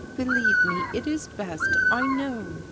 "Believe me, it is best. I know.